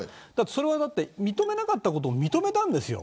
それはだって認めなかったことを認めたんですよ。